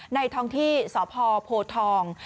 ท้องที่สพโพทอง